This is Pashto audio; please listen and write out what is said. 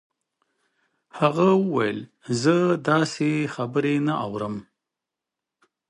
هغه وویل چې زه داسې خبرې نه اورم